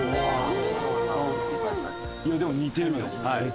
いやあでも似てるよ。